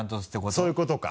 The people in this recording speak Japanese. そういうことか。